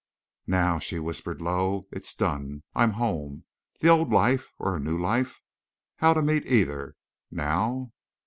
"Now!" she whispered low. "It's done. I'm home. The old life—or a new life? How to meet either. Now!"